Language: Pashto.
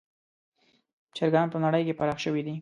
چرګان په نړۍ کې پراخ شوي دي.